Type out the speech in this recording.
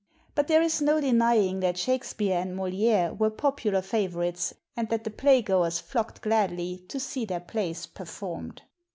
But there is no denying that Shak spere and Moliere were popular favorites and that the playgoers flocked gladly to see their plays performed.